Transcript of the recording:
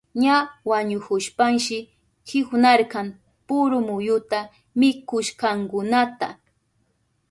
Ña wañuhushpanshi kiwnarka puru muyuta mikushkankunata.